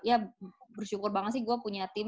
ya bersyukur banget sih gue punya tim